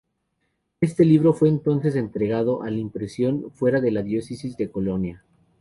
Este libro fue entonces entregado a la impresión fuera de la diócesis de Colonia.